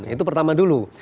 itu pertama dulu